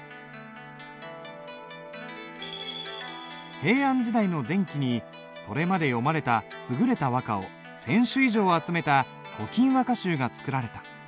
平安時代の前期にそれまで詠まれた優れた和歌を１，０００首以上集めた「古今和歌集」が作られた。